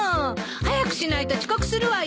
早くしないと遅刻するわよ。